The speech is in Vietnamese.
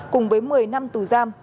cùng với một mươi năm tù giam